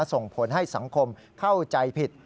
ส่งผลให้สังคมเข้าใจผิด